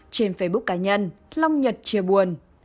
trên facebook cá nhân long nhật chia buồn